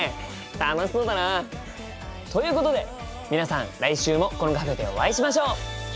楽しそうだな！ということで皆さん来週もこのカフェでお会いしましょう！